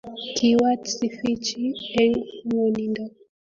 Kiwach Sifichi eng ngwonindo